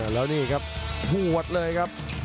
แล้วนี่ครับหวดเลยครับ